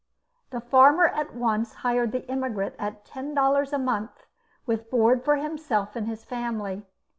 The farmer at once hired the immigrant at ten dollars a month with board for himself and family.